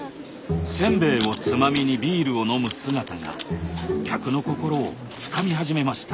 せんべいをつまみにビールを飲む姿が客の心をつかみ始めました。